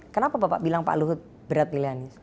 kenapa bapak bilang pak luhut berat pilih anies